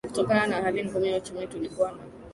kutokana na hali ngumu ya uchumi tulikuwa na